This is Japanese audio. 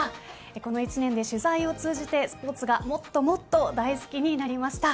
この１年で取材を通じてスポーツがもっともっと大好きになりました。